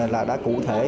là đã cụ thể